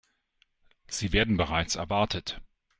Sie werden bereits erwartet.